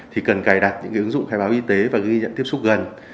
thì cần cài đặt những ứng dụng khai báo y tế và ghi nhận tiếp xúc gần